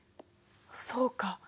そうか。